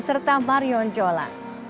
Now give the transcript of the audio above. serta marion jola